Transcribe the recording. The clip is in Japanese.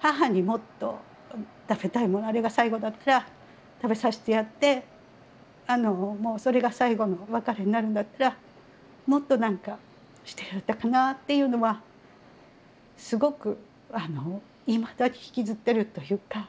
母にもっと食べたいものあれが最後だったら食べさせてやってもうそれが最後の別れになるんだったらもっと何かしてやれたかなっていうのはすごくいまだに引きずってるというか。